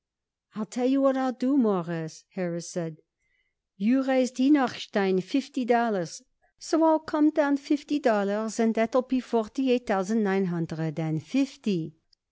"I'll tell you what I'll do, Mawruss," Harris said. "You raised Henochstein fifty dollars, so I'll come down fifty dollars, and that'll be forty eight thousand nine hundred and fifty."